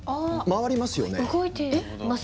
回りますね。